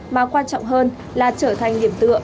mà quan trọng hơn là trở thành điểm tư